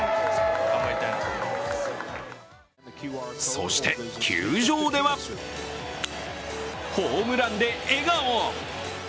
そして、球場ではホームランで笑顔。